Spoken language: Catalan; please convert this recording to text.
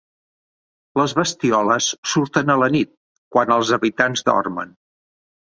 Les bestioles surten a la nit, quan els habitants dormen.